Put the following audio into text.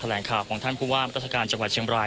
แรงข้อของทันผู้ว่ารัฐกาลจังหวัดเชียงบร้าย